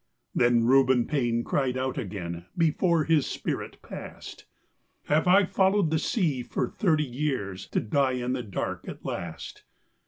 Then Reuben Paine cried out again before his spirit passed: "Have I followed the sea for thirty years to die in the dark at last?